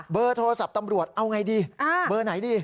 เบอร์โทรศัพท์ตำรวจเอาไงดีเบอร์ไหนดี